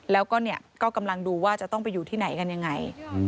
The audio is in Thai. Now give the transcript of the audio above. แล้วก็กำลังดูว่าจะต้องไปอยู่ที่ไหนกันอย่างไร